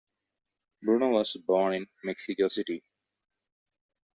Bruno was born in Mexico City.